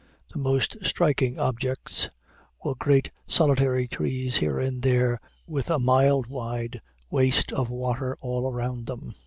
The most striking objects were great solitary trees here and there with a mile wide waste of water all around them.